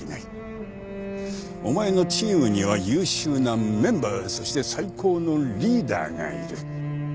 お前のチームには優秀なメンバーそして最高のリーダーがいる。